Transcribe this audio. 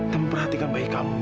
dan memperhatikan bayi kamu mila